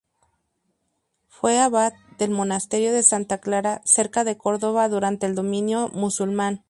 Fue abad del Monasterio de Santa Clara, cerca de Córdoba, durante el dominio musulmán.